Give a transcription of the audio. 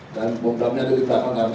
dan pung tni ada di belakang kami